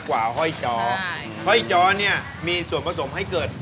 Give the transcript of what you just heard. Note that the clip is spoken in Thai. ไก่ยอวเนี้ยมีส่วนผสมให้เกิด